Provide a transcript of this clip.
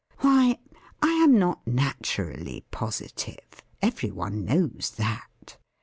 Why, I am not naturally positive. Every one knows that.